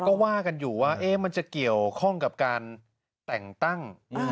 ก็ว่ากันอยู่ว่ามันจะเกี่ยวข้องกับการแต่งตั้ง